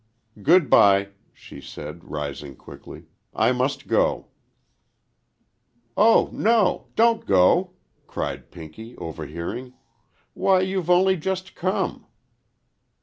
"Good by," she said, rising quickly, "I must go." "Oh, no,—don't go," cried Pinky, overhearing. "Why, you've only just come."